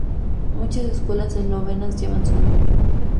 Muchas escuelas eslovenas llevan su nombre.